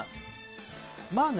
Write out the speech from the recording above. まあね。